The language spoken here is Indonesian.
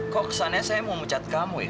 kok kesannya saya mau mecat kamu ya